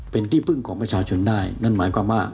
เป็นที่พึ่งของประชาชนได้นั่นหมายความว่า